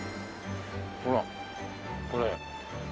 ほらこれ。